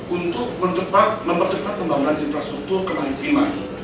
untuk mempercepat pembangunan infrastruktur ke maritim